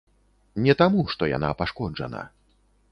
Не, таму што яна пашкоджана.